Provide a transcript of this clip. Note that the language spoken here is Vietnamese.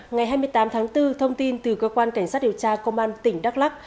ngày hai mươi tám tháng bốn thông tin từ cơ quan cảnh sát điều tra công an tỉnh đắk lắc